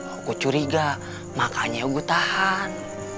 aku curiga makanya gue tahan